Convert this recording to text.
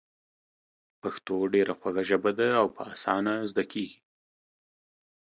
پښتو ډېره خوږه ژبه ده او په اسانه زده کېږي.